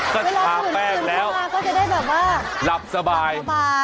ก็จะได้แบบว่าหลับสบาย